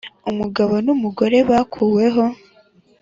umugabo n'umugore bakuweho,